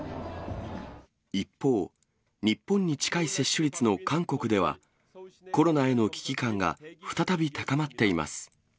一方、日本に近い接種率の韓国では、コロナへの危機感が再び高まっています。